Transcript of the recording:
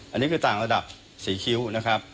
อันนี้คือต่างระดับสีคิ้วนะครับ